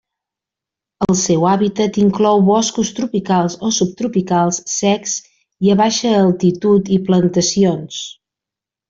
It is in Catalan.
El seu hàbitat inclou boscos tropicals o subtropicals secs i a baixa altitud i plantacions.